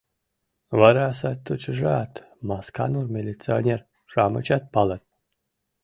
— Вара сатучыжат, Масканур милиционер-шамычат палат.